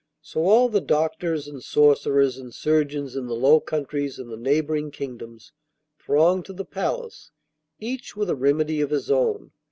So all the doctors and sorcerers and surgeons in the Low Countries and the neighbouring kingdoms thronged to the palace, each with a remedy of his own.